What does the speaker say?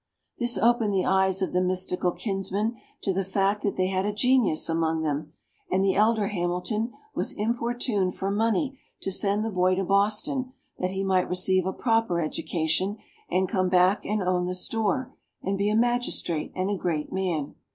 This opened the eyes of the mystical kinsmen to the fact that they had a genius among them, and the elder Hamilton was importuned for money to send the boy to Boston that he might receive a proper education and come back and own the store and be a magistrate and a great man.